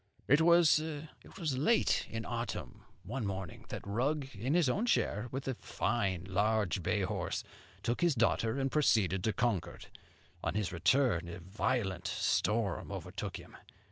"It was late in autumn, one morning, that Rugg, in his own chair, with a fine large bay horse, took his daughter and proceeded to Concord. On his return a violent storm overtook him.